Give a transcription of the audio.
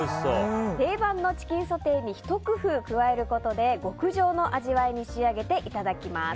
定番のチキンソテーにひと工夫加えることで極上の味わいに仕上げていただきます。